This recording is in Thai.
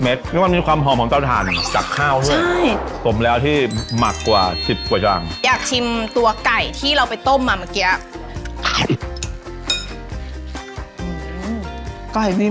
แล้วมันมีความหอมของเตาถ่านจากข้าวด้วยสมแล้วที่หมักกว่าสิบกว่าอย่างอยากชิมตัวไก่ที่เราไปต้มมาเมื่อกี้